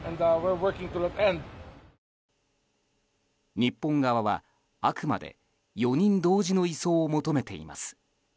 日本側は、あくまで４人同時の移送を求めています。